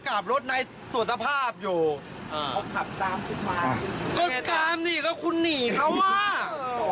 คุณตามนี่ก็คุณหนีเขาว่ะ